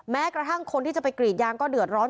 แม้กระทั่งคนที่จะไปกรีดยางก็เดือดร้อน